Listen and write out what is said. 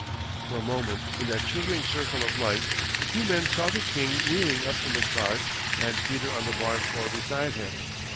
For a moment in that shivering circle of light the two men saw the king kneeling up in the cart and Peter on the barn floor beside him.